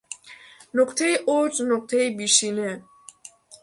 نقطهی اوج، نقطهی بیشینه